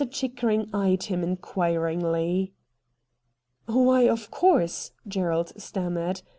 Chickering eyed him inquiringly. ' Why, of course,' Gerald stammered.